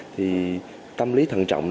thì tâm lý thận trọng